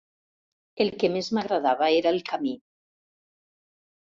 El que més m'agradava era el camí.